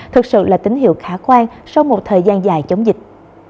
thực sự là tín hiệu khả quan sau một thời gian dài chống dịch